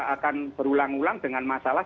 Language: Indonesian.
akan berulang ulang dengan masalah